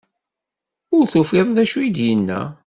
Ur tufiḍ d acu i d-yenna.